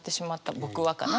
「僕は」かな？